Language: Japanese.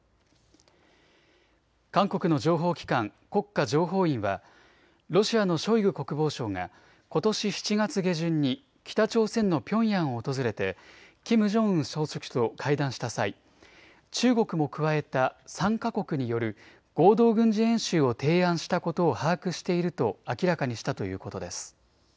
韓国の情報機関、国家情報院はロシアのショイグ国防相がことし７月下旬に北朝鮮のピョンヤンを訪れてキム・ジョンウン総書記と会談した際、中国も加えた３か国による合同軍事演習を提案したことを把握していると明らかにしたということです。